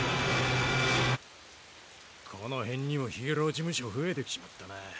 この辺にもヒーロー事務所増えてきちまったなぁ。